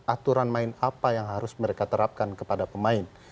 aturan main apa yang harus mereka terapkan kepada pemain